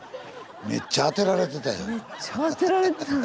めっちゃ当てられてたやん。